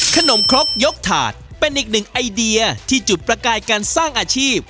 ครกยกถาดเป็นอีกหนึ่งไอเดียที่จุดประกายการสร้างอาชีพ